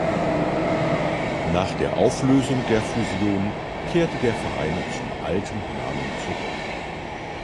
Nach der Auflösung der Fusion kehrte der Verein zum alten Namen zurück.